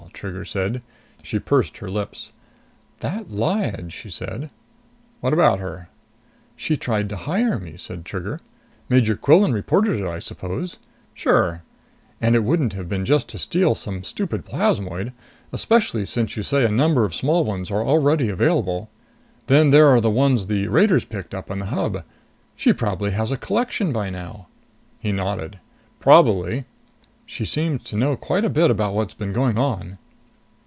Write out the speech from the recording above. Trigger said. She pursed her lips. "That Lyad...." she said. "What about her?" "She tried to hire me," said Trigger. "Major Quillan reported it, I suppose?" "Sure." "And it wouldn't be just to steal some stupid plasmoid. Especially since you say a number of small ones are already available. Then there're the ones that raiders picked up in the Hub. She probably has a collection by now." He nodded. "Probably." "She seems to know quite a bit about what's been going on...."